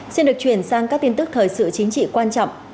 xin được chuyển sang các tin tức thời sự chính trị quan trọng